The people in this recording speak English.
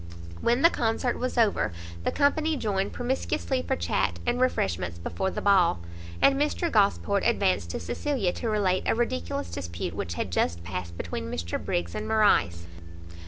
When the Concert was over, the company joined promiscuously for chat and refreshments before the ball; and Mr Gosport advanced to Cecilia, to relate a ridiculous dispute which had just passed between Mr Briggs and Morrice.